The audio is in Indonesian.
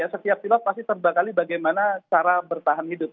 setiap pilot pasti terbekali bagaimana cara bertahan hidup